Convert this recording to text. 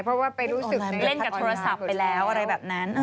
เพราะว่าไปรู้สึกเล่นกับโทรศัพท์ไปแล้วอะไรแบบนั้น